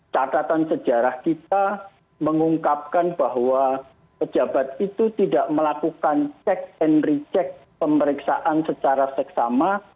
catatan sejarah kita mengungkapkan bahwa pejabat itu tidak melakukan cek and recheck pemeriksaan secara seksama